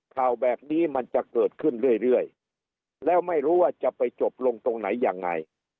ข่าวแบบนี้มันจะเกิดขึ้นเรื่อยแล้วไม่รู้ว่าจะไปจบลงตรงไหนยังไง